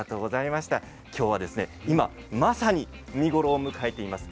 きょうは今まさに見頃を迎えています。